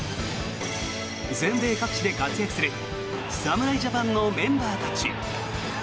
全米各地で活躍する侍ジャパンのメンバーたち。